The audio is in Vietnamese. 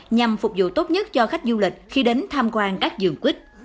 nhằm phục vụ tốt nhất cho khách du lịch khi đến tham quan các vườn quýt